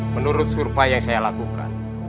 menurut survei yang saya lakukan